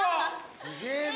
すげぇな。